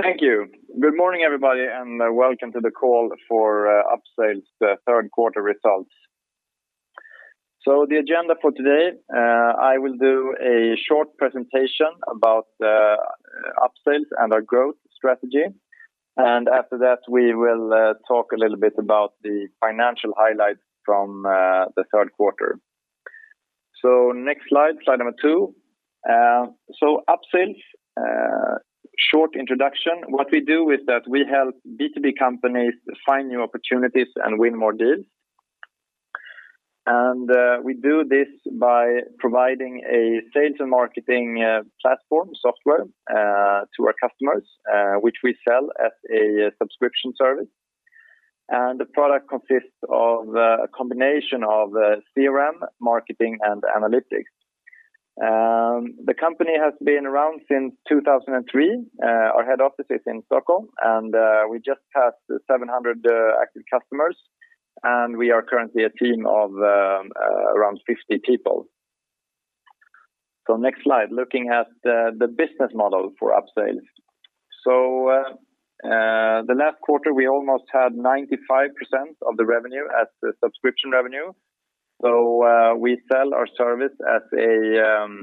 Thank you. Good morning, everybody, and welcome to the call for Upsales' Third Quarter Results. The agenda for today, I will do a short presentation about Upsales and our growth strategy. After that, we will talk a little bit about the financial highlights from the third quarter. Next slide number two. Upsales, short introduction. What we do is that we help B2B companies find new opportunities and win more deals. We do this by providing a sales and marketing platform software to our customers, which we sell as a subscription service. The product consists of a combination of CRM, marketing, and analytics. The company has been around since 2003. Our head office is in Stockholm, we just passed 700 active customers, we are currently a team of around 50 people. Next slide, looking at the business model for Upsales. The last quarter, we almost had 95% of the revenue as subscription revenue. We sell our service as a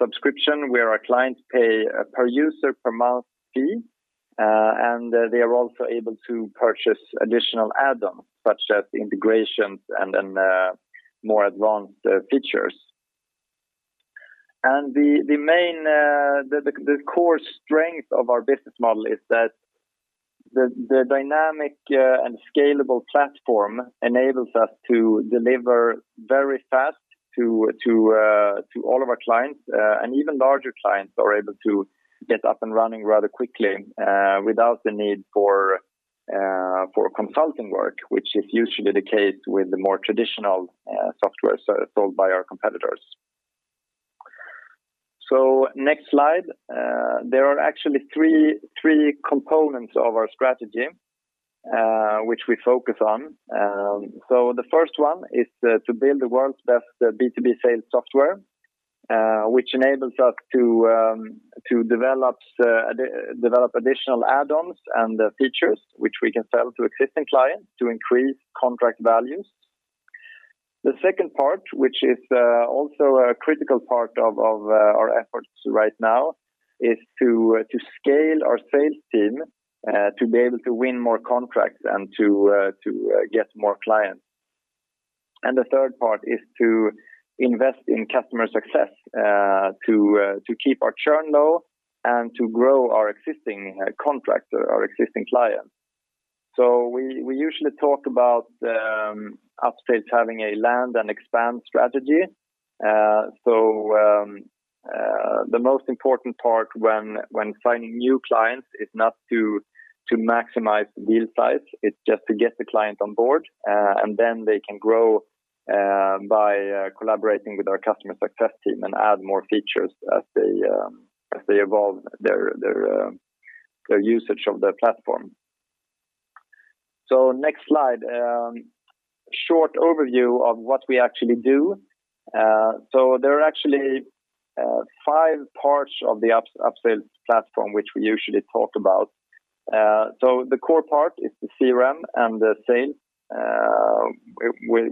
subscription where our clients pay a per user per month fee, and they are also able to purchase additional add-ons such as integrations and then more advanced features. The core strength of our business model is that the dynamic and scalable platform enables us to deliver very fast to all of our clients. Even larger clients are able to get up and running rather quickly without the need for consulting work, which is usually the case with the more traditional software sold by our competitors. Next slide. There are actually three components of our strategy which we focus on. The first one is to build the world's best B2B sales software, which enables us to develop additional add-ons and features, which we can sell to existing clients to increase contract values. The second part, which is also a critical part of our efforts right now, is to scale our sales team to be able to win more contracts and to get more clients. The third part is to invest in customer success, to keep our churn low and to grow our existing contracts, our existing clients. We usually talk about Upsales having a land and expand strategy. The most important part when finding new clients is not to maximize the deal size. It's just to get the client on board, and then they can grow by collaborating with our customer success team and add more features as they evolve their usage of the platform. Next slide. Short overview of what we actually do. There are actually five parts of the Upsales platform which we usually talk about. The core part is the CRM and the sales,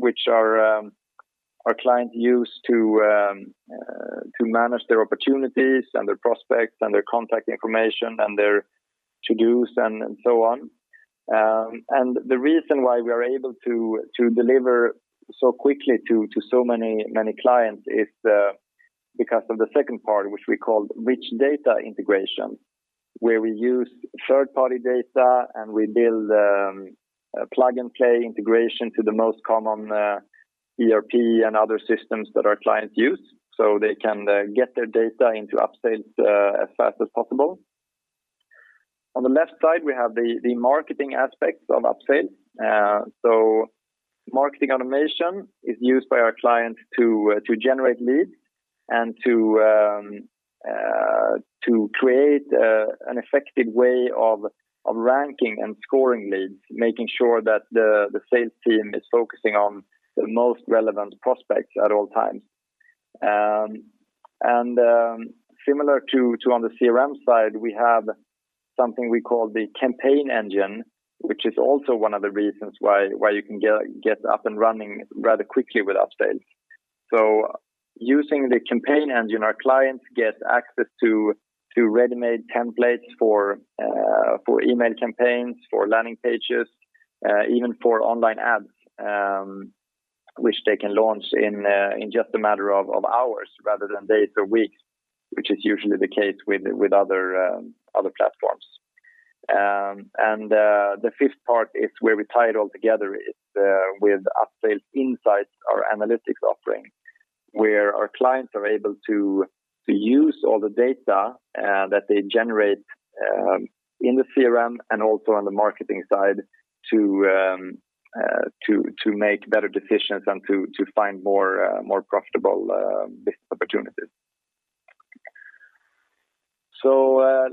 which our clients use to manage their opportunities and their prospects and their contact information and their to-dos and so on. The reason why we are able to deliver so quickly to so many clients is because of the second part, which we call rich data integration, where we use third-party data, and we build plug-and-play integration to the most common ERP and other systems that our clients use. They can get their data into Upsales as fast as possible. On the left side, we have the marketing aspects of Upsales. Marketing automation is used by our clients to generate leads and to create an effective way of ranking and scoring leads, making sure that the sales team is focusing on the most relevant prospects at all times. Similar to on the CRM side, we have something we call the campaign engine, which is also one of the reasons why you can get up and running rather quickly with Upsales. Using the campaign engine, our clients get access to ready-made templates for email campaigns, for landing pages, even for online ads, which they can launch in just a matter of hours rather than days or weeks, which is usually the case with other platforms. The fifth part is where we tie it all together with Upsales Insights, our analytics offering. Where our clients are able to use all the data that they generate in the CRM and also on the marketing side to make better decisions and to find more profitable business opportunities.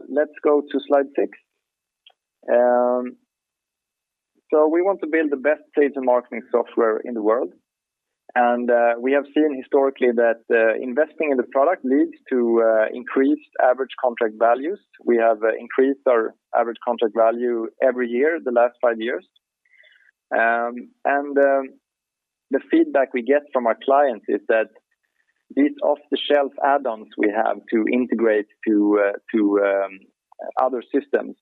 Let's go to slide six. We want to build the best sales and marketing software in the world. We have seen historically that investing in the product leads to increased average contract values. We have increased our average contract value every year, the last five years. The feedback we get from our clients is that these off-the-shelf add-ons we have to integrate to other systems.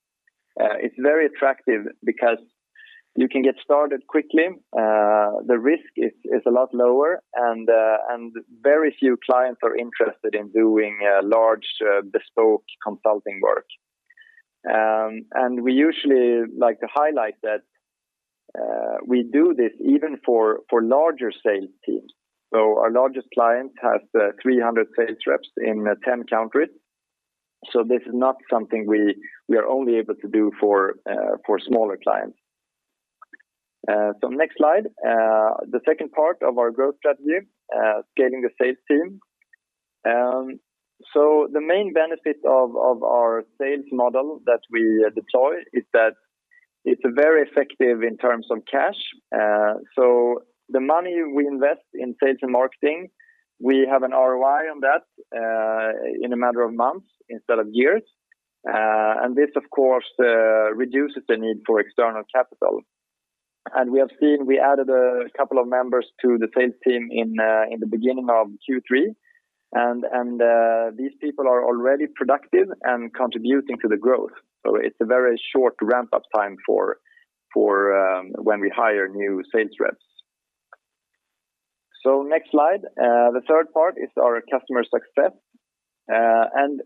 It's very attractive because you can get started quickly. The risk is a lot lower and very few clients are interested in doing large bespoke consulting work. We usually like to highlight that we do this even for larger sales teams. Our largest client has 300 sales reps in 10 countries. This is not something we are only able to do for smaller clients. Next slide. The second part of our growth strategy, scaling the sales team. The main benefit of our sales model that we deploy is that it's very effective in terms of cash. The money we invest in sales and marketing, we have an ROI on that in a matter of months instead of years. This, of course, reduces the need for external capital. We have seen, we added a couple of members to the sales team in the beginning of Q3. These people are already productive and contributing to the growth. It's a very short ramp-up time for when we hire new sales reps. Next slide. The third part is our customer success.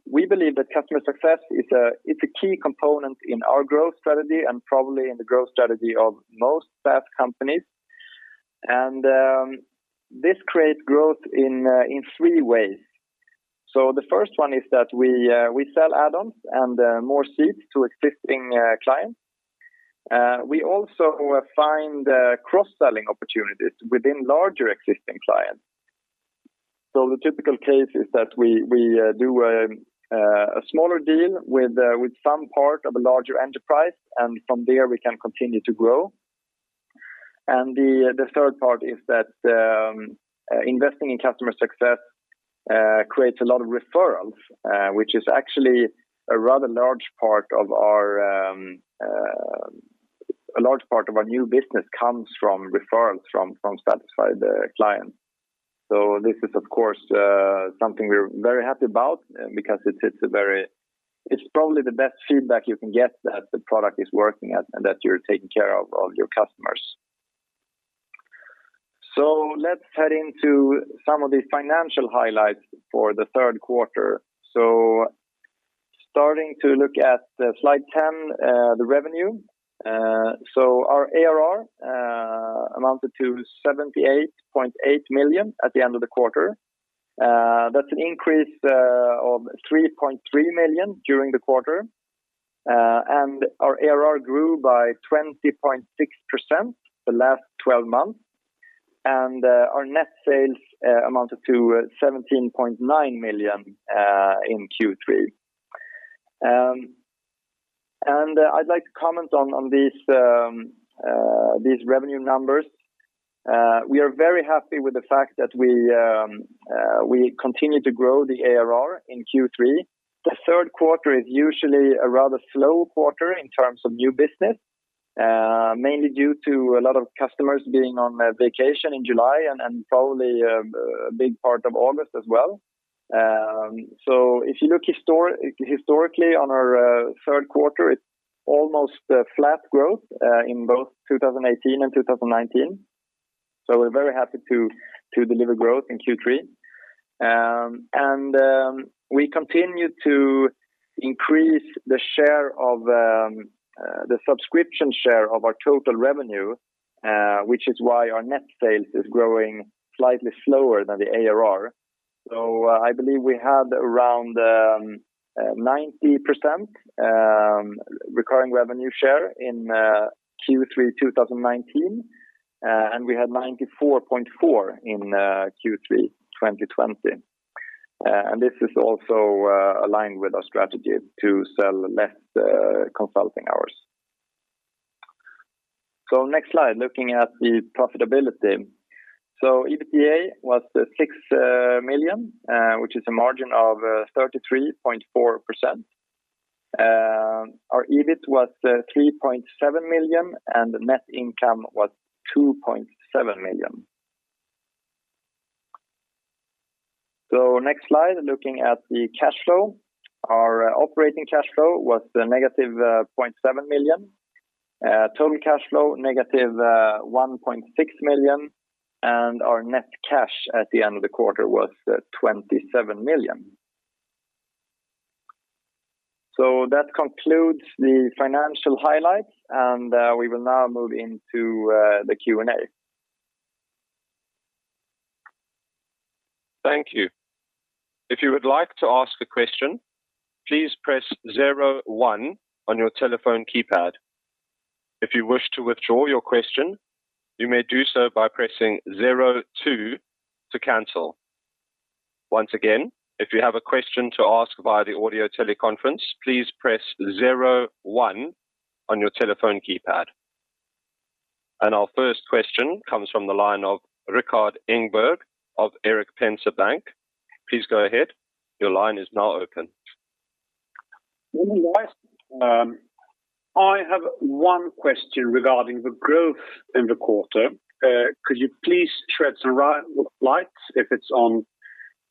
We believe that customer success is a key component in our growth strategy and probably in the growth strategy of most SaaS companies. This creates growth in three ways. The first one is that we sell add-ons and more seats to existing clients. We also find cross-selling opportunities within larger existing clients. The typical case is that we do a smaller deal with some part of a larger enterprise, and from there we can continue to grow. The third part is that investing in customer success creates a lot of referrals, which is actually a rather large part of our new business comes from referrals from satisfied clients. This is, of course, something we're very happy about because it's probably the best feedback you can get that the product is working and that you're taking care of your customers. Let's head into some of the financial highlights for the third quarter. Starting to look at slide 10, the revenue. Our ARR amounted to 78.8 million at the end of the quarter. That's an increase of 3.3 million during the quarter. Our ARR grew by 20.6% the last 12 months. Our net sales amounted to 17.9 million in Q3. I'd like to comment on these revenue numbers. We are very happy with the fact that we continue to grow the ARR in Q3. The third quarter is usually a rather slow quarter in terms of new business, mainly due to a lot of customers being on vacation in July and probably a big part of August as well. If you look historically on our third quarter, it's almost flat growth in both 2018 and 2019. We're very happy to deliver growth in Q3. We continue to increase the subscription share of our total revenue, which is why our net sales is growing slightly slower than the ARR. I believe we had around 90% recurring revenue share in Q3 2019, and we had 94.4% in Q3 2020. This is also aligned with our strategy to sell less consulting hours. Next slide, looking at the profitability. EBITDA was 6 million, which is a margin of 33.4%. Our EBIT was 3.7 million, and the net income was 2.7 million. Next slide, looking at the cash flow. Our operating cash flow was negative 0.7 million. Total cash flow, negative 1.6 million. Our net cash at the end of the quarter was 27 million. That concludes the financial highlights, and we will now move into the Q&A. Thank you. If you would like to ask a question, please press zero, one on your telephone keypad. If you wish to withdraw your question, you may do so by pressing zero, two to cancel. Once again, if you have a question to ask via the audio teleconference, please press zero, one on your telephone keypad. Our first question comes from the line of Rikard Engberg of Erik Penser Bank. Please go ahead. Your line is now open. Morning, guys. I have one question regarding the growth in the quarter. Could you please shed some light if it's on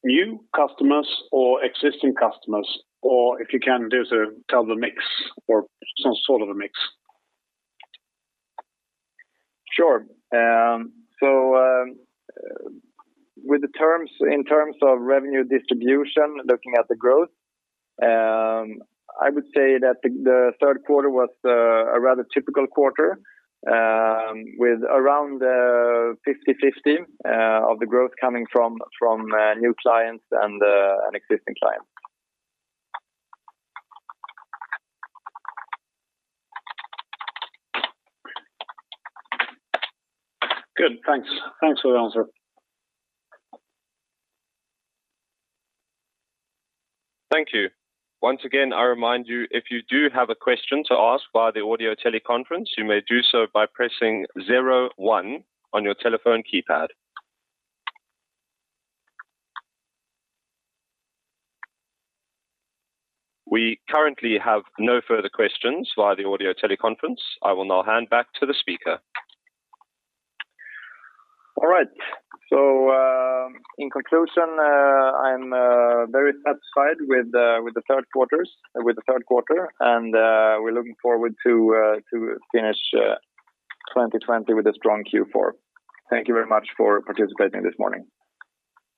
new customers or existing customers? If you can do so, tell the mix or some sort of a mix. Sure. In terms of revenue distribution, looking at the growth, I would say that the third quarter was a rather typical quarter with around 50/50 of the growth coming from new clients and existing clients. Good, thanks. Thanks for the answer. Thank you. Once again, I remind you, if you do have a question to ask via the audio teleconference, you may do so by pressing zero one on your telephone keypad. We currently have no further questions via the audio teleconference. I will now hand back to the speaker. All right. In conclusion, I'm very satisfied with the third quarter, and we're looking forward to finish 2020 with a strong Q4. Thank you very much for participating this morning.